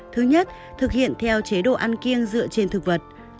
thứ nhất thực hiện theo chế độ ăn kiêng dựa trên thực vật